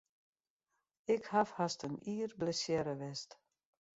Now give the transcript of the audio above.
Ik haw hast in jier blessearre west.